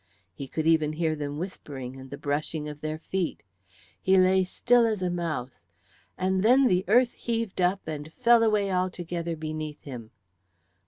He could even hear them whispering and the brushing of their feet. He lay still as a mouse; and then the earth heaved up and fell away altogether beneath him.